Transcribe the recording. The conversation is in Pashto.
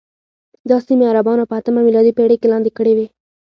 دا سیمې عربانو په اتمه میلادي پېړۍ کې لاندې کړې وې.